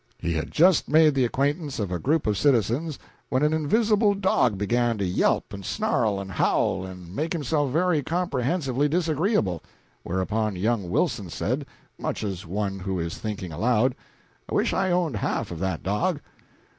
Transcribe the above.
He had just made the acquaintance of a group of citizens when an invisible dog began to yelp and snarl and howl and make himself very comprehensively disagreeable, whereupon young Wilson said, much as one who is thinking aloud "I wish I owned half of that dog."